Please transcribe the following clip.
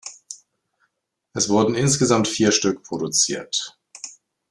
Es wurden insgesamt vier Stück produziert.